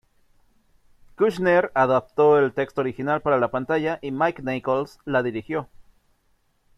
Kushner adaptó el texto original para la pantalla y Mike Nichols la dirigió.